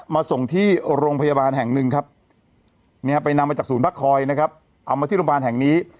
มาส่งที่โรงพยาบาลแห่งหนึ่งครับเนี่ยไปนำมาจากศูนย์พักคอยนะครับเอามาที่โรงพยาบาลแห่งนี้